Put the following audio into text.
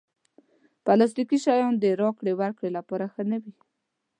پلاستيکي شیان د راکړې ورکړې لپاره ښه نه وي.